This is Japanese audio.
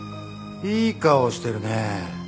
いい顔してるねえ。